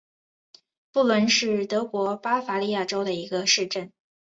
布伦是德国巴伐利亚州的一个市镇。